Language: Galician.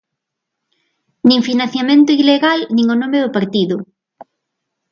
Nin financiamento ilegal nin o nome do partido.